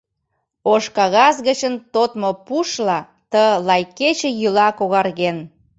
Ош кагаз гычын тодмо пушла ты лай кече йӱла когарген.